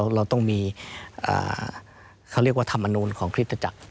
เราต้องมีเขาเรียกว่าธรรมนูลของคริสตจักร